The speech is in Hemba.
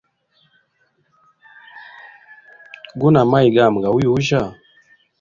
Guna maywi gami gauyujya?